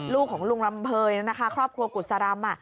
ลูกของลุงลำเภยครอบครัวกุศรำ